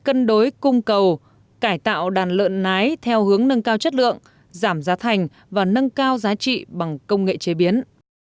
cân đối cung cầu cải tạo đàn lợn nái theo hướng nâng cao chất lượng giảm giá thành và nâng cao giá trị bằng công nghệ chế biến